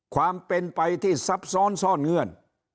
ความเป็นไปที่ซับซ้อนซ่อนเงื่อน